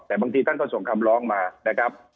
แต่บางทีท่านก็ส่งคำร้องมานะครับ